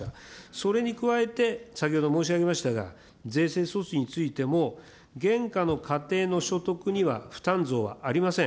それに加えて、先ほど申し上げましたが、税制措置についても、現下の家庭の所得には負担増はありません。